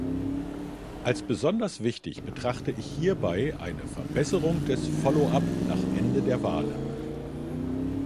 Als besonders wichtig betrachte ich hierbei eine Verbesserung des Follow-up nach Ende den Wahlen.